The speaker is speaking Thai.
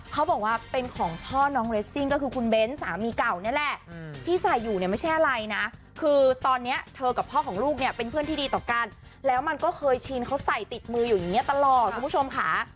เขาบอกว่าเป็นของพ่อน้องเรสซิ่งก็คือคุณเบ้นสามีเก่านี่แหละที่ใส่อยู่เนี่ยไม่ใช่อะไรนะคือตอนนี้เธอกับพ่อของลูกเนี่ยเป็นเพื่อนที่ดีต่อกันแล้วมันก็เคยชินเขาใส่ติดมืออยู่อย่างนี้ตลอดคุณผู้ชมค่ะ